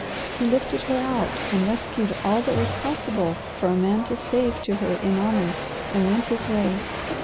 He lifted her out, and rescued all that was possible for a man to save to her in honour, and went his way.